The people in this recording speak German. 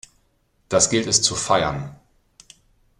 Das gilt es zu feiern!